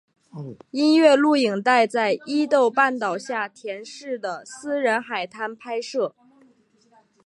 音乐录影带在伊豆半岛下田市的私人海滩拍摄。